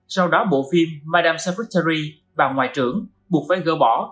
sau đó bộ phim madame secretary bà ngoại trưởng buộc phải gỡ bỏ